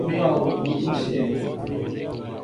Nzoʼ e mɓɔa opun oshyɛέŋ.